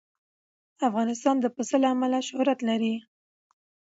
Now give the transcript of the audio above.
افغانستان د پسه له امله شهرت لري.